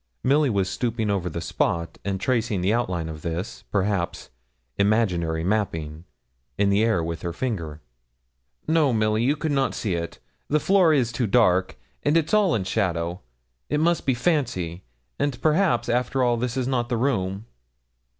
Milly was stooping over the spot, and tracing the outline of this, perhaps, imaginary mapping, in the air with her finger. 'No, Milly, you could not see it: the floor is too dark, and it's all in shadow. It must be fancy; and perhaps, after all, this is not the room.'